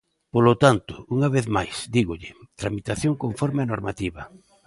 Polo tanto, unha vez máis, dígolle: tramitación conforme á normativa.